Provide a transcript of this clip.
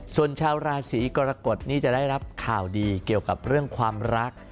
ส่วนชาวราศีกรกฎนี่จะได้รับข่าวดีเกี่ยวกับเรื่องความรัก